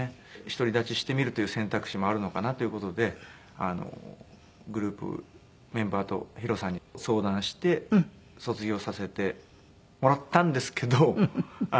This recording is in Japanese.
独り立ちしてみるという選択肢もあるのかなという事でグループメンバーとＨＩＲＯさんに相談して卒業させてもらったんですけど。